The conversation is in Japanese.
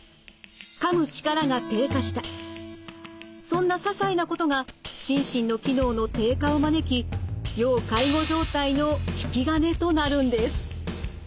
そんなささいなことが心身の機能の低下を招き要介護状態の引き金となるんです。